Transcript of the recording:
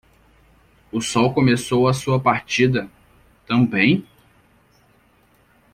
O sol começou a sua partida? também.